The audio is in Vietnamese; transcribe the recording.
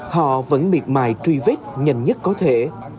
họ vẫn miệt mài truy vết nhanh nhất có thể